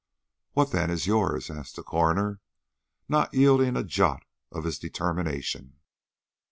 "What, then, is yours?" asked the coroner, not yielding a jot of his determination.